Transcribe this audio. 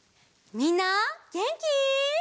みんなげんき？